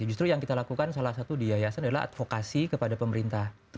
justru yang kita lakukan salah satu di yayasan adalah advokasi kepada pemerintah